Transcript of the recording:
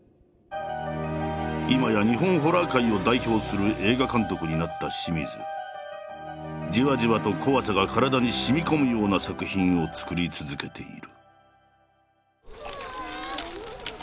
今や日本ホラー界を代表するじわじわと怖さが体にしみこむような作品を作り続けている。